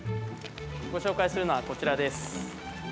ご紹介するのはこちらです。